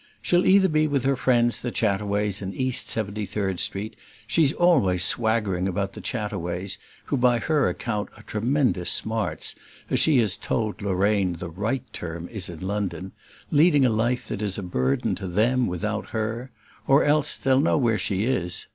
"She'll either be with her friends the Chataways, in East Seventy third Street she's always swaggering about the Chataways, who by her account are tremendous 'smarts,' as she has told Lorraine the right term is in London, leading a life that is a burden to them without her; or else they'll know where she is.